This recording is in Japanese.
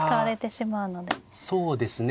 そうですね。